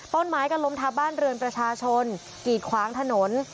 ต้นไม้ก็ล้มทับบ้านเรือนประชาชนกีดขวางถนน